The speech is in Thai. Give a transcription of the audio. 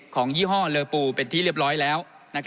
ยี่ห้อเลอปูเป็นที่เรียบร้อยแล้ว